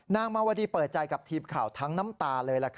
นางมาวดีเปิดใจกับทีมข่าวทั้งน้ำตาเลย